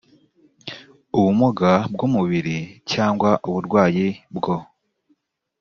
ubumuga bw umubiri cyangwa uburwayi bwo